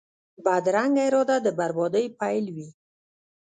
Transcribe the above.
بدرنګه اراده د بربادۍ پیل وي